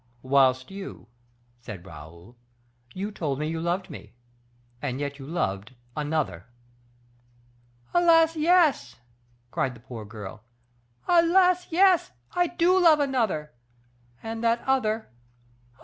"Whilst you," said Raoul, "you told me you loved me, and yet you loved another." "Alas, yes!" cried the poor girl; "alas, yes! I do love another; and that other oh!